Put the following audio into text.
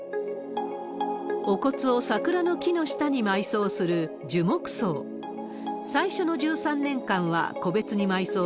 お骨を桜の木の下に埋葬する樹木葬。